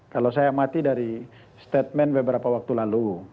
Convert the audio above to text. kalau saya amati dari statement beberapa waktu lalu